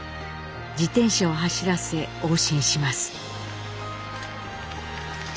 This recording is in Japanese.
自転車を走らせ往診します。